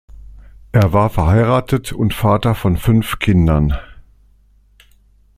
Er war verheiratet und Vater von fünf Kindern.